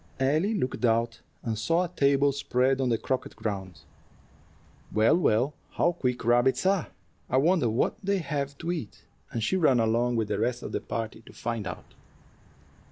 Ellie looked out, and saw a table spread on the croquet ground. "Well, well, how quick rabbits are! I wonder what they have to eat;" and she ran along with the rest of the party to find out.